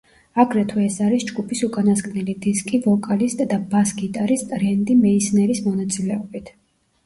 აგრეთვე ეს არის ჯგუფის უკანასკნელი დისკი ვოკალისტ და ბას-გიტარისტ რენდი მეისნერის მონაწილეობით.